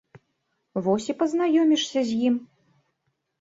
Вось і пазнаёмішся з ім.